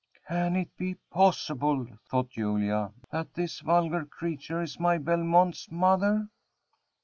"Can it be possible," thought Julia, "that this vulgar creature is my Belmont's mother?"